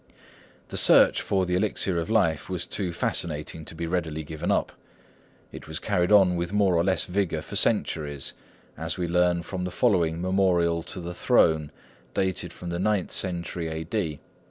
The search for the elixir of life was too fascinating to be readily given up. It was carried on with more or less vigour for centuries, as we learn from the following Memorial to the Throne, dating from the ninth century A.D.